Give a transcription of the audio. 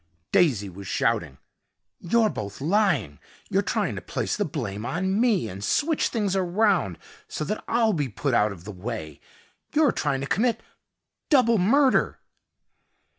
Daisy was shouting, "You're both lying! You're trying to place the blame on me and switch things around so that I'll be put out of the way. You're trying to commit double murder!"